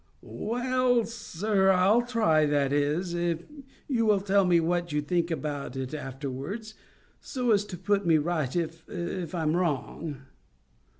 "Well, sir, I'll try; that is, if you will tell me what you think about it afterwards, so as to put me right, if I'm wrong."